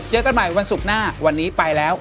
เจอกันใหม่วันศุกร์หน้าวันนี้ไปแล้ว